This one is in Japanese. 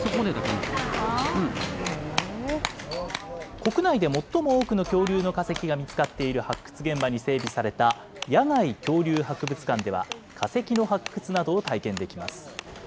国内で最も多くの恐竜の化石が見つかっている発掘現場に整備された、野外恐竜博物館では、化石の発掘などを体験できます。